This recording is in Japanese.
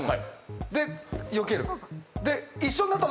でよける。